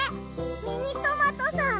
ミニトマトさん